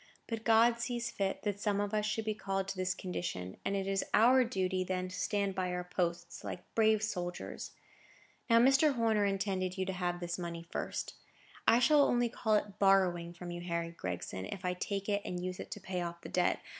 But God sees fit that some of us should be called to this condition, and it is our duty then to stand by our posts, like brave soldiers. Now, Mr. Horner intended you to have this money first. I shall only call it borrowing from you, Harry Gregson, if I take it and use it to pay off the debt.